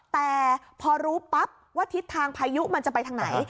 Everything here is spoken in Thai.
แต่พอรู้ปั๊บว่าทิศทางพายุมันจะไปทางไหน